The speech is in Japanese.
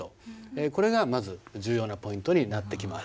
これがまず重要なポイントになってきます。